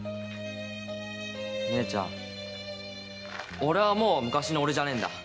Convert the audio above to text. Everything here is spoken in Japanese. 俺はもう昔の俺じゃねえんだ。